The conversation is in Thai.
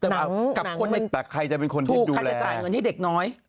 แต่ใครจะเป็นคนที่ดูแลจ่ายเงินให้เด็กน้อย